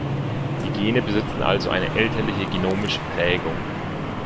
Die Gene besitzen also eine elterliche genomische Prägung.